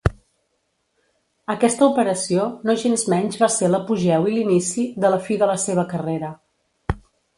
Aquesta operació nogensmenys va ser l'apogeu i l'inici de la fi de la seva carrera.